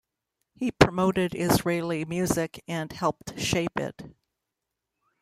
He promoted Israeli music and helped shape it.